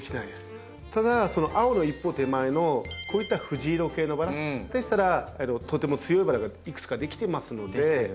ただ青の一歩手前のこういった藤色系のバラでしたらとても強いバラがいくつか出来てますので。